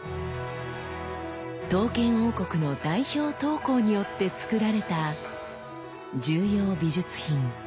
刀剣王国の代表刀工によって作られた重要美術品「太刀銘正恒」でした。